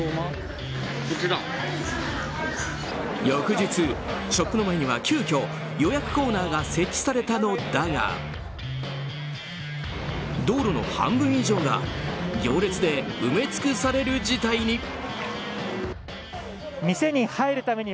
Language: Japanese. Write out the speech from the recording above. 翌日、ショップの前には急きょ予約コーナーが設置されたのだが道路の半分以上が行列で埋め尽くされる事態に。